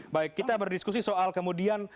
baik kita berdiskusi soal kemudian